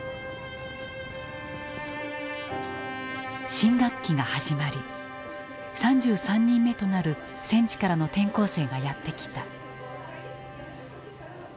新学期が始まり３３人目となる戦地からの転校生がやって来た。